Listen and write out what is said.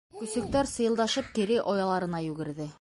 Көсөктәр, сыйылдашып, кире ояларына йүгерҙе.